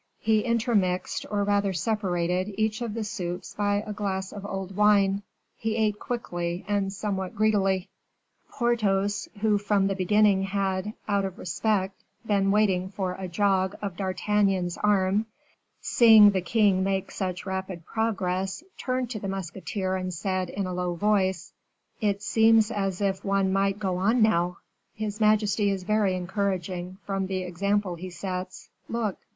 He intermixed, or rather separated, each of the soups by a glass of old wine. He ate quickly and somewhat greedily. Porthos, who from the beginning had, out of respect, been waiting for a jog of D'Artagnan's arm, seeing the king make such rapid progress, turned to the musketeer and said in a low voice: "It seems as if one might go on now; his majesty is very encouraging, from the example he sets. Look."